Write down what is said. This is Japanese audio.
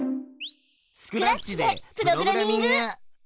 スクラッチでプログラミング！